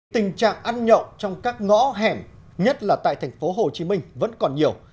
tình trạng ăn nhậu trong các ngõ hẻm nhất là tại thành phố hồ chí minh vẫn còn nhiều